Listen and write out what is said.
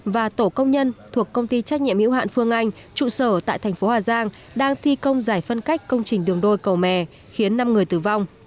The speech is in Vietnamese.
và tổ công nhân thuộc công ty trách nhiệm hữu hạn phương anh trụ sở tại thành phố hà giang đang thi công giải phân cách công trình đường đôi cầu mè khiến năm người tử vong